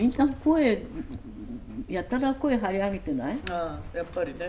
ああやっぱりね。